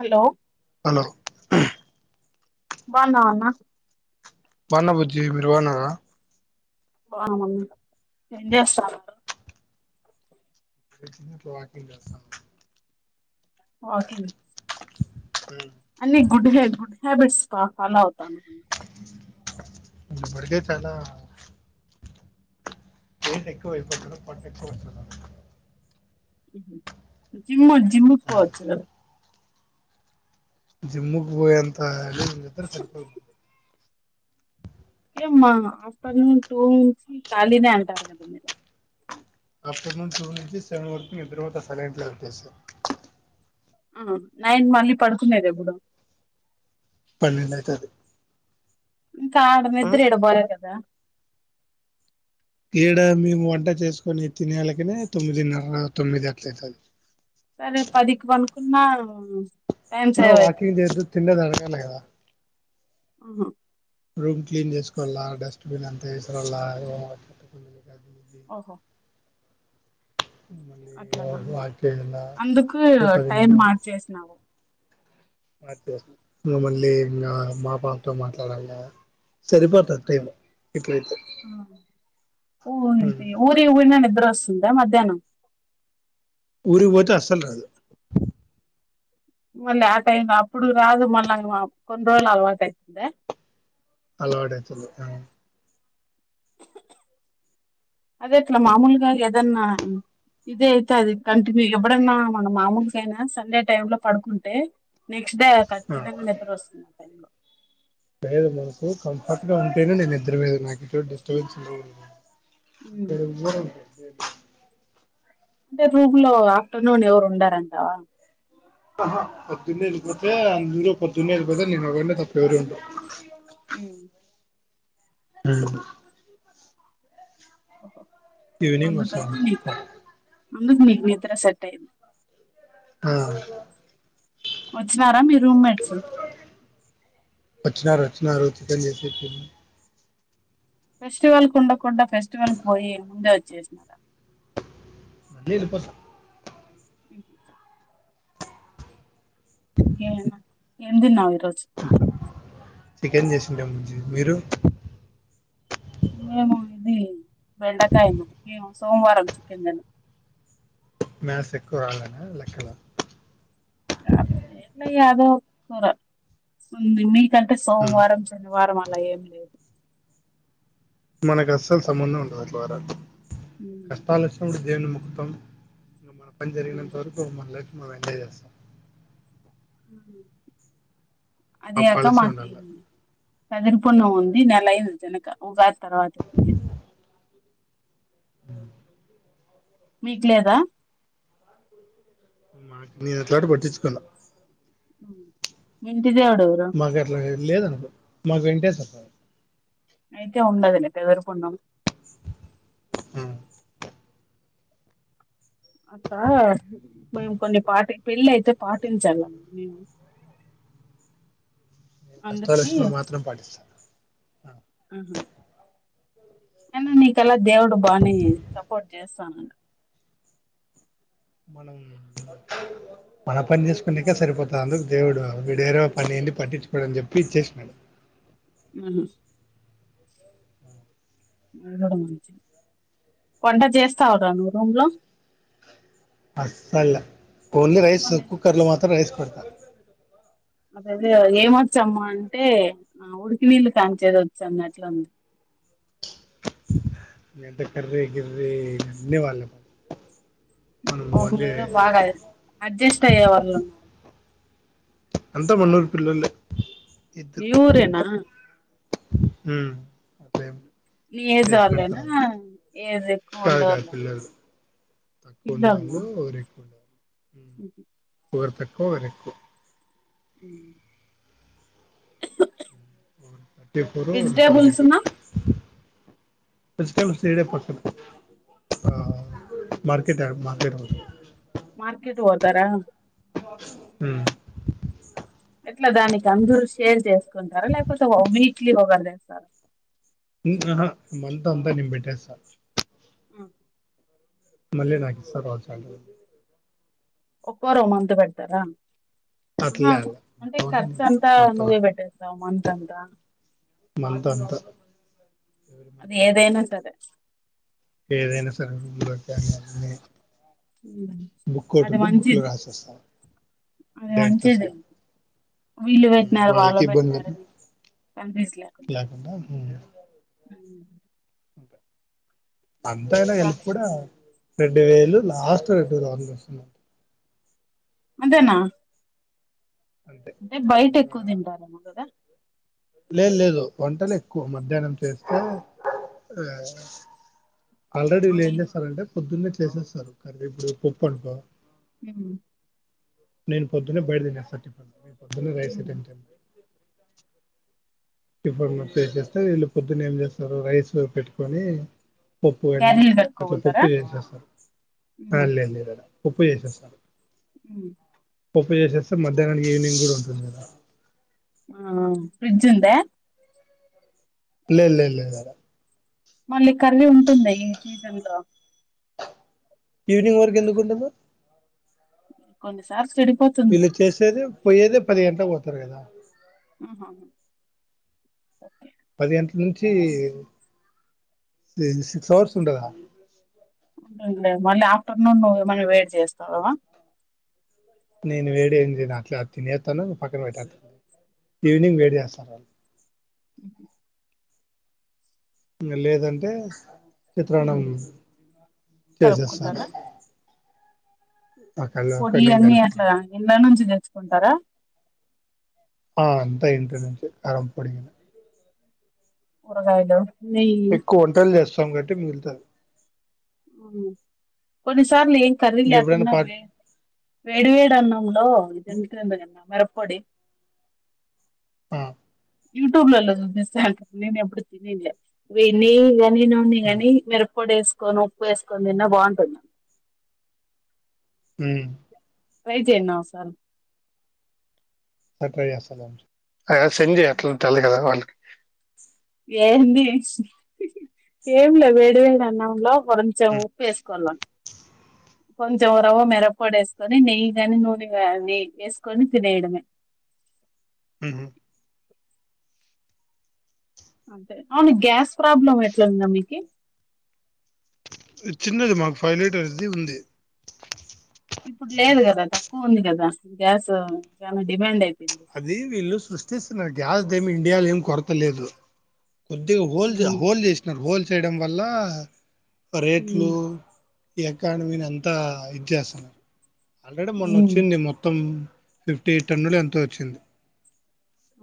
Hello hello హ్మ్ బాన్నావా అన్న బాన్నా బుజ్జి మీర్ బాన్నారా బాన్నామ్ అన్న ఏం చేస్తున్నార్ అందర్ మెట్లు ఎక్కి వాకింగ్ చేస్తున్నా వాకింగ్ హూ అన్ని గుడ్ హా గుడ్ హ్యాబిట్స్ కా ఫా అవుతానమ్ అన్న ఇప్పటికే చాల ఏజ్ ఎక్కువైపోతున్నా పొట్ట ఎక్కువయితున్న హు హుమ్ జిమ్ వొద్ జిమ్ముకు పోవచ్చు కదా జిమ్ముకు పోయేంత లేదు నిద్దర సరిపోదు అంతె మ ఆఫ్టర్నూన్ టూ నుంచి ఖాళీనే అంటారు కదా మీరు ఆఫ్టర్నూన్ టూ నుంచి సెవెన్ వరకు నిద్రపోత సైలెంట్లో పెట్టేస్త ఆ నైన్ మళ్ళీ పడుకునేది ఎప్పుడు పన్నెండైతాది ఇంకాడ నిద్రేడ పోలే కదా ఈడ మేము వంట చేసుకొని తినేలకనే తొమ్మిదిన్నర తొమ్మిది అట్లా అయితది సరే పదికి పనుకున్న ఆ వాకింగ్ చేస్తూ తిన్నదర గల్ల కదా ఆహా రూమ్ క్లీన్ చేసుకోల్ల డస్ట్బిన్ అంతా ఏసి రావల్ల [unintelligible] ఓహో మళ్ళీ అట్లనా వాక్ చేయాలా అందుకు రేపు టైం మార్చేసినావు అటు ఉ మళ్ళీ ఇంగ మా పాపతో మాట్లాడంగా సరిపోతాది టైం ఇప్పుడైతే ఆ ఊ ఉమ్ ఐతె ఊరికి పోయిన నిద్ర స్తుందా మధ్యాహ్నం ఊరికి పోతే అసలు రాదు ఊల్లే టై అప్పుడు రాదుమల్ల వా కొన్ని రోజుల్లో అలవాటైతుందా అలవాటు అవుతుంది అక్క అదే ఇట్లా మామూలుగా ఏదన్నా ఇదే అయితే అది కంటిన్యూ ఎవడన్నా మన మామూలుగా అయినా సండే టైమ్ లో పడుకుంటే నెక్ష్ట్ డే ఆ ఖచ్చితంగా నిద్ర వస్తుంది ఆ టై లో లేదు మనకు కంఫర్ట్ గా ఉంటేనే నేను ఇద్దరదు నాకు డిస్టబెన్స్ ఉమ్. [unintelligible] [unintelligible] అంటే రూమ్ లో ఆఫ్టర్నూన్ ఎవరు ఉండారంటావా ఆహా పొద్దున్నే వెళ్ళిపోతే అందరు పొద్దున్నే వెళ్ళిపోతే నేను ఒకడ్నే తప్ప ఎవరూ ఉండరు ఊ థాంక్యూ ఓహో ఈవినింగ్‌ అందుకని వస్తారం నీ అందుకు మీకు నిద్ర సెట్ అయింది ఆ వచ్చినార మీ రూమ్మేట్స్ వచ్చినారు వచ్చినారు చికెన్ చేసే [unintelligible] ఫెస్టివల్ కు ఉండకుండా ఫెస్టివల్ కు పోయి ముందే వచ్చేసినారా లేదు పస మ్మ్ ఇంకేమన ఏం తిన్నావ్ ఈరోజు చికెన్ చేసుకున్నాం బుజ్జి మీరు మేము ఇది బెండకాయన్నం మేము సోమవారం చికెన్ తినం మ్యాస్ ఎక్కువ రాల్లనా లెక్కలు అట్లేం లా యాదో ఒ కూర ఉందిమి కంటే సోమవారం శనివారం అలా ఏమి లేదు మనకు అస్సలు సంబంధం ఉండదు అట్లా వారాలు ఉమ్. కష్టాలొచ్చినపుడు దేవున్ని ముక్కుతాం ఇంక మనం పని జరిగినంత వరకు మన లైఫ్ మనం ఎంజాయ్ చేస్తాం ఆ ఆ అదే అక పాలసీ మాకి ఉండాలి కదిరిపల్లో ఉంది నెలయింది తినక ఉగాది తర్వాతే తినేది మీక్లేదా మాక్ నేను అట్లాడివి పట్టిచ్చుకోల వెన్ విజేవాడవరు మాకు అట్లా లేదనుకో మాకు వెంటేశ్వర స్వామి అయితే ఉండదులే బెదరుకొన్నం అట్టా మేము కొన్ని పాటి పెళ్ళి అయితే పాటించల్ల మేము కష్టాలు అందుకి వచ్చినపుడు మాత్రం పాటిస్థా ఐన నీకల్లా దేవుడు బాని సపోర్ట్ చేస్ తనగ్ మనం మన పని చేసుకునేకే సరిపోతా అందుకు దేవుడు వీడేరో పని ఏంది పట్టించుకోడు అని చెప్పి ఇచ్చేసినాడు మ్మ్ హు వంట చేస్తావు రా నువ్ రూమ్ లో అస్సలు ఓన్లీ రైస్ కుక్కర్ లో మాత్రం రైస్ [unintelligible] అదదే ఏమొచ్చమ్మ అంటే ఆ ఉడికి నీళ్ళు కాంచేది వచ్చు అన్నట్లు ఉంది. ఏంట కర్రి గిర్రి అన్ని వాళ్లెం [unintelligible] బాగాయ్ అడ్జస్ట్ అయ్యే వాళ్ళు ఉన్నారు. అంతమన్నూరు పిల్లోల్లే ఇద్దరు మీ ఊరేనా మ్మ్ నీ ఏజ్ వాళ్ ఏనా అంత ఏజ్ ఎక్కువ కాదు ఉండవాళ్ కాదు పిల్లలు తక్కువ పిల్లోల్ల ఉండేవాళ్ళు ఒకరు హు హ్మ్ ఒకర్ తక్కువ ఒకర్ ఎక్కువ ఇం వోడు థర్టీ ఫోర్ వోడ్ ట్వంటీ వెజిటేబుల్స్ టూ ను వెజిటెబుల్స్ ఇడే పక్కన ఆ మార్కెట్ యా మార్కెట్ పోతాయి మార్కెట్ పోతారా హుమ్ ఎట్లా దాని కిఅందూర్ షేర్ చేసుకుంటారా లేకపోతే వీక్లీ ఒకర్ చేస్తారా ఇం హ్ హా మంత్ అంత నేన్ బెట్టేస్తా అ మళ్ళీ నాకిస్తార్ వాల్ ఛార్జిల్ ఒక్కోర్ ఒ మంత్ పెడ్ తారా ఆహా అట్లే అలా అంటే మొత్తం ఖర్చు నేను అంతా మొత్తం నువ్వే పెట్టేస్తావ మన్ తండ్రా మంత్ అంతా ఆది ఏదైనా సరే ఏదైనా సరే [unintelligible] మ్మ్ బుక్ ఒకటి అది ఉంటే బుక్ లో మంచిది రాసేస్తాను అది డేట్తో మంచిదే సహా వీళ్ళు పెట్టినారు వాళ్ళు వాళ్ళకి ఇబ్బంది పెట్టినారని కన్ఫ్యూస్ లేకుండా, ఉమ్. ఇంక అంతేనా బా ఎలిపి కూడా రెండు వేలు లాస్ట్ రెండు వేలందిస్తున్నార్ అంతేనా అంతే అంటే బయట వంద ఎక్కువ తింటారేమో కదా లేదు లేదు వంటలు ఎక్కువ మధ్యాహ్నం చేస్తే ఆ, ఆల్రెడీ వీళ్ళు ఏం నైట్ చేస్సరంటే పొద్దున్నే చేసేస్తారు కర్రీ ఇప్పుడు పప్పు అనుకో ఉమ్ నేను పొద్దునే బయట తినేస్తా టిఫిన్ పొద్దున్నే రైస్ ఉమ్. ఐటం టిన్ టిఫిన్లు చేసేస్తే వీళ్ళు పొద్దున్న ఏం చేస్తారు రైస్ పెట్టుకొని పప్పు కాని క్యారీలు అట్లా కట్టుకోపోతారా పప్పు చేసేస్తారు ఆ ఉమ్. లేద్ లేదు యాడ పప్పు చేసేస్తారు హ్మ్ పప్పు చేసేస్తే మధ్యాహ్నానికి ఈవినింగ్ కూడా ఉంటుంది కదా ఆ అవును ఫ్రిజ్ ఉందా లేద్ లేద్ లేదు యాడ మళ్ళీ కర్రీ ఉంటుందా ఈ సీజన్ లో ఈవినింగ్ వరకు ఎందుకు ఉండదు కొన్నిసార్ పెళ్లి చేసేది పోయేదే పది గంటలకు పోతారు కదా ఆహా ఒకే పది గంటల నుంచి సిక్స్ అవర్స్ ఉండదా ఉంటది ఉంటది మళ్ళీ ఆఫ్టర్నూన్ నువ్వు ఏమన్నా వేడి చేస్తావా నేను వేడి ఏమి చేయను అట్లే తినేస్తాను పక్కన పెట్టేస్తాను ఈవనింగ్ వేడి చేస్తారు వాళ్లు ఉహు ఇంకా లేదంటే చిత్రాన్నం ఉమ్, టేస్ట్ చేస్తారు కలుపుకుంటారా పొడి అన్ని అట్లా కలుపుకునే ఇండ్ల నుంచి తెచ్చు కుంటారా ఆ అంతా ఇంటి నుంచే కారంపొడి కూడా ఊరగాయలు ఎక్కువ వంటలు చేస్తాం మత్తం కాబట్టి మీగులుతాయి ఉమ్ కొనిస్ [unintelligible] ఏం కర్రీ ఇంకెప్పుడైనా లేకున్నా పాట్ వే వేడి వేడి అన్నంలో [unintelligible] పొడి ఆ యూట్యూబ్ లలో చూపిస్తే నేను ఎప్పుడూ తినేది నీ నోడు ఉమ్ గాని మీరు పొడి వేసుకొని ఉప్పు వేసుకొని తిన్న బాగుంటుంది మ్ ట్రై చే అన్న ఒసారి అ ట్రై చేస్తాలే [unintelligible] సెండ్ చేయ్ అట్లా తెల్దు కదా వాళ్ళకి ఏంది ఏం లే వేడి వేడి అన్నంలో [unintelligible] ఉప్పు వేసుకోవాలా కొంచెం రవ మిరప్పొడి వేసుకొని నెయ్యి గాని నూనె గాని వేసుకొని తినేయడమే హు హు అంతే అవును గ్యాస్ ప్రాబ్లం ఎట్లందా మీకి చిన్నది మాకు ఫైవ్ లీటర్సది ఉంది ఇప్పుడు లేదు కదా త క్కువ ఉంది కదా గ్యాస్ చానా డిమాండ్ అయి అది వీళ్ళు సృష్టిస్తునగ్ గ్యాస్ద్ ఏమి ఇండియాలో ఏమి కొరత లేదు కొద్దిగా హోల్ జ ఉమ్ హోల్ చేసినార్ హోల్ చేయడం వల్ల ఉమ్ రేట్లు అకాడమీనీ అంతా ఇచ్చసన్నారు ఆల్రెడీ మొన్న ఉమ్ వచ్చింది మొత్తం ఫిఫ్టీ ఎయిట్ తనులు ఎంతో చ్చింది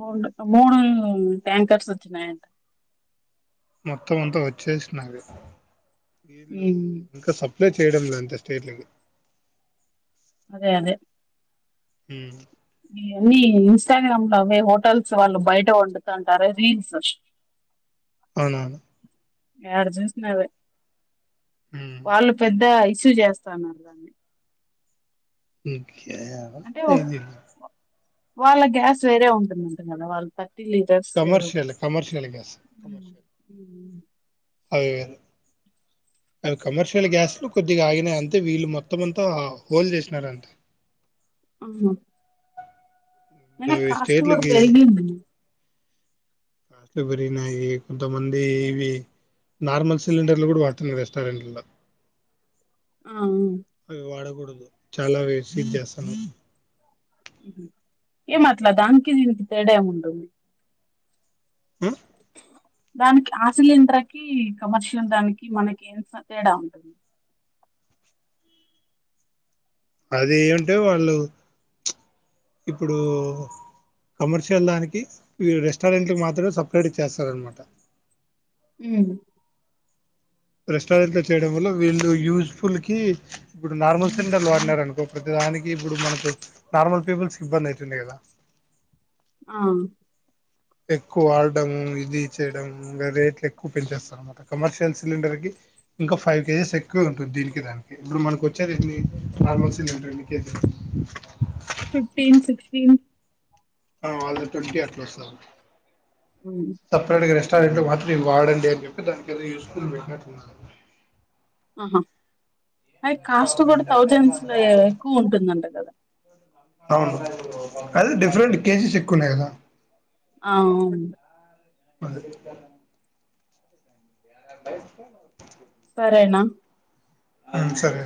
మడ్ మూడు ట్యాంకర్స్ వచ్చినినయంట మొత్తం అంతా వచ్చేసినది ఇల్లు ఉమ్ ఇంకా సప్ ప్లై చేయడం లే అంత స్టేట్లకి అదే అదే హుం ఇవన్నీ ఇన్స్టాగ్రామ్ లో అవే హోటల్స్ వాళ్ళు బయట వండుతంటారే రీల్స్ అవునవును యాడ చూసిన ఆవే మ్మ్. వాళ్ళు పెద్ద ఇష్యూ చేస్తన్నారు దాన్ని ఉమ్ కేయాయ తెలీదు అంటే వాళ్ళ గ్యాస్ వేరే ఉంటుందంట కదా వాళ్ళ త కమర్షియల్ కమర్షియల్ గ్యాస్ కమర్షియల్ అవి అవే కమర్షియల్ గ్యాస్లు కొద్దిగా ఆగినాయి అంతే వీళ్ళు మొత్తంమంతా హోల్ చేసినార అంట ఆ ఇప్పుడు అయిన అవి కాస్ట్ కూడ స్టేట్లకి పెరిగింది కాస్ట్లు పెరిగినాయి కొంతమంది ఇవి నార్మల్ సిలిండర్లు కూడ వాడుతున్నారు రెస్టారెంట్ల ఆ ఉ చాల వేస్ట్ ఏ చేస్తనాం ఉహు ఏం అట్లా దన్ కి దీనికి తేడ ఏమి ఉంటది ఆ దానికి ఆ సిలిండర్ కి కమర్షియల్ దానికి మనకి ఎంత తేడా ఉంటది అది ఏంటే వాళ్ళు ఇప్పుడు కమర్షియల్ దానికి రెస్టారెంట్కి మాత్రమే సపరేట్ గ చేస్తారనమాట ఉమ్ రెస్టారెంట్ లో చేయడం వల్ల వీళ్ళు యూజ్ఫుల్ కి ఇప్పుడు నార్మల్ సిలిండర్లు వాడినారు అనుకో ప్రతి దానికి ఇప్పుడు మనకు నార్మల్ పీపుల్స్ కి ఇబ్బంది అవుతుంది కదా ఆ ఎక్కువ వాడం ఇది చేయడం ఇంకా రేట్లు ఎక్కువ పెంచేస్తారున్నమాట కమర్షియల్ సిలిండర్ కి ఇంకా ఫైవ్ కేజెస్ ఎక్కువ ఉంటుంది దీనికి దానికి ఇప్పుడు మనకు వచ్చేఏన్ని నార్మల్ సిలిండర్ ఎన్ని కేజీ ఫిఫ్టీన్ సిక్స్టీన్ వాళ్ళకి ట్వంటీ అట్లా వస్తాది సపరెట్ గా రెస్టారెంట్ వాట్ నేను వాడండి అని చెప్పి దానికేదో యూస్ఫుల్ పెట్టినట్టున్నారు ఆహా అయి కాస్ట్ కూడా థౌజండ్స్ లో ఎక్కువ ఉంటుందంట కదా అవును అది డిఫరెంట్ కేసెస్ ఎ కునేద అవు అదే అలా బయటికి సరేనా ఆ సరే